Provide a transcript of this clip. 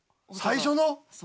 最初の？